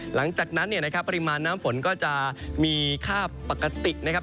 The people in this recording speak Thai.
หลังจากนั้นเนี่ยนะครับปริมาณน้ำฝนก็จะมีค่าปกตินะครับ